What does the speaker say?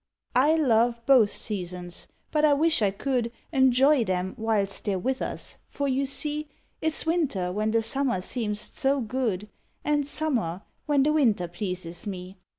I love both seasons, but I wish I could Enjoy them whilst they re with us, for, you see, It s winter when the summer seem st so good, And summer when the winter pleases me.